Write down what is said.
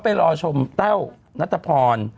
พอชมแต้วนัตตพร